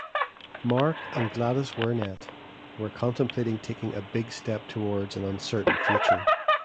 Mark and Gladys Wernette were contemplating taking a big step towards an uncertain future.